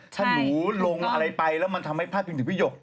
ถ้าหนูลงอะไรไปแล้วมันทำให้พลาดพิงถึงพี่หยก